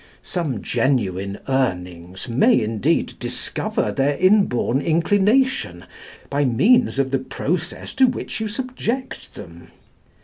Some genuine Urnings may, indeed, discover their inborn inclination by means of the process to which you subject them.